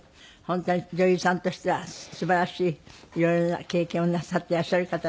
本当に女優さんとしてはすばらしい色々な経験をなさっていらっしゃる方です。